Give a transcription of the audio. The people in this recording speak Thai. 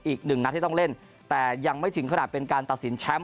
อีกหนึ่งนัดที่ต้องเล่นแต่ยังไม่ถึงขนาดเป็นการตัดสินแชมป์